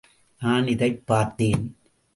நான் இதைப் பார்த்தேன்.